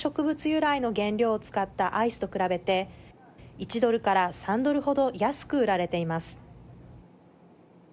由来の原料を使ったアイスと比べて１ドルから３ドル程安く売られています。